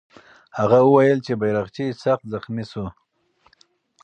هغه وویل چې بیرغچی سخت زخمي سو.